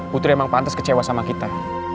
putri emang pantas kecewa sama kita